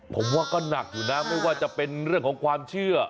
ผมว่าก็หนักอยู่นะไม่ว่าจะเป็นเรื่องของความเชื่อ